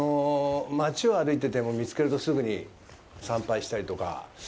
町を歩いてても見つけるとすぐに参拝したりとか。